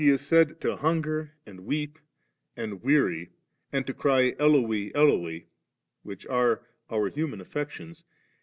x8; FblLiLgt ^luLaa is said to hunger and weep and weary, and to cry Eloi, Eloi, which are our human affections.